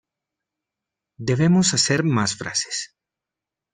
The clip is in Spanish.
Debemos hacer más frases.